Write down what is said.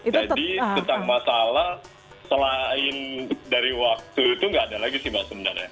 jadi tentang masalah selain dari waktu itu nggak ada lagi sih mbak sebenarnya